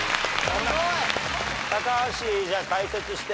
高橋じゃあ解説して。